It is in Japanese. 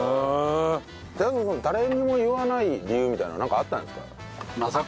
誰にも言わない理由みたいなのはなんかあったんですか？